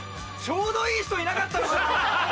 ちょうどいい人いなかったのかな？